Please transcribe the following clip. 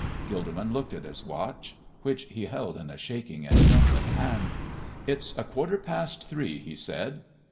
Gilderman looked at his watch, which he held in a shaking and trembling hand. "It's a quarter past three," he said.